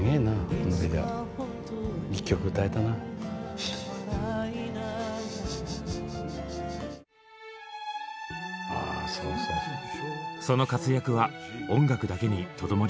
その活躍は音楽だけにとどまりません。